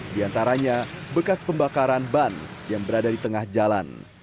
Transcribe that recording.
di antaranya bekas pembakaran ban yang berada di tengah jalan